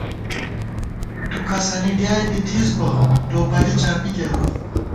تُو کسَنی ڈیائی بی تھِس بہ، ٹوپَلی چاپی کېرون